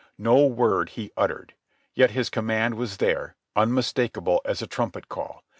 No word he uttered. Yet his command was there, unmistakable as a trumpet call.